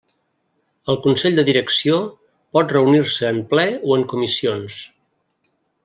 El Consell de Direcció pot reunir-se en ple o en comissions.